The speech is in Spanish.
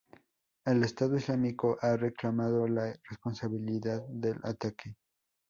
El Estado islámico ha reclamado la responsabilidad del ataque.